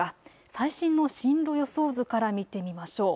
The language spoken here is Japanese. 最新の進路予想図から見てみましょう。